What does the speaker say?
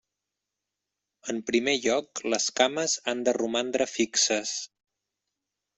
En primer lloc les cames han de romandre fixes.